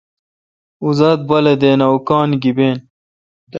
اوں زاتہ بالہ دین اوںکان گیبیں۔۔